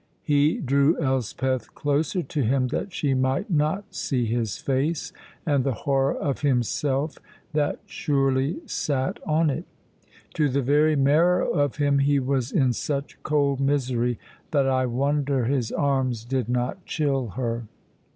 He drew Elspeth closer to him, that she might not see his face and the horror of himself that surely sat on it. To the very marrow of him he was in such cold misery that I wonder his arms did not chill her.